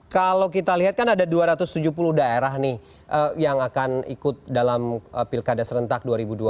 kalau kita lihat kan ada dua ratus tujuh puluh daerah nih yang akan ikut dalam pilkada serentak dua ribu dua puluh